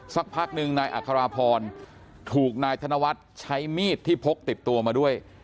สักพักหนึ่งนายอัคราพรถูกนายธนวัฒน์ใช้มีดที่พกติดตัวมาด้วย